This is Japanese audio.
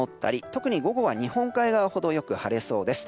特に午後は日本海側ほどよく晴れそうです。